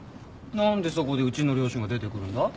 何でそこでうちの両親が出てくるんだ？